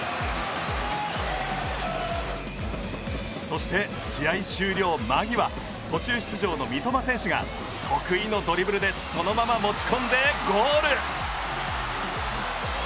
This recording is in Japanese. そして試合終了間際途中出場の三笘選手が得意のドリブルでそのまま持ち込んでゴール！